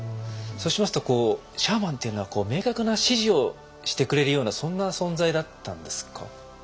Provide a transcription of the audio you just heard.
そうしますとシャーマンというのは明確な指示をしてくれるようなそんな存在だったんですか？